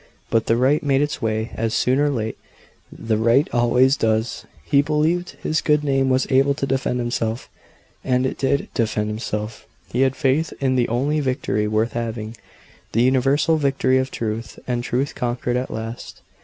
But the right made its way, as, soon or late, the right always does; he believed his good name was able to defend itself, and it did defend itself; he had faith in the only victory worth having the universal victory of Truth; and Truth conquered at last.